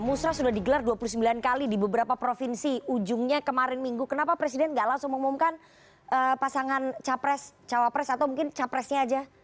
musrah sudah digelar dua puluh sembilan kali di beberapa provinsi ujungnya kemarin minggu kenapa presiden nggak langsung mengumumkan pasangan capres cawapres atau mungkin capresnya aja